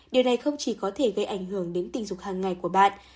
điều này không chỉ có thể gây ảnh hưởng đến tình dục hàng ngày của bạn